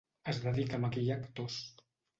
Es dedica a maquillar actors.